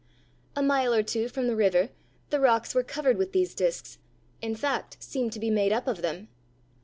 A mile or two from the river the rocks were covered with these disks, in fact, seemed to be made up of them.